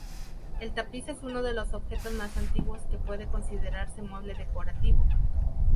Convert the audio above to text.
El tapiz es uno de los objetos más antiguos que puede considerarse mueble decorativo.